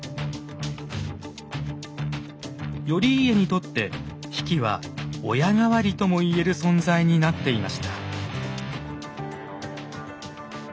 頼家にとって比企は親代わりとも言える存在になっていました。